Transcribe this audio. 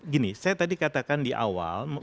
gini saya tadi katakan di awal